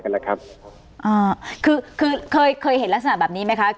คุณค่ะคือเคยเห็นลักษณะแบบนี้ไหมคะ